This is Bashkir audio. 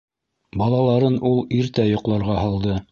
Балаларын ул иртә йоҡларға һалды.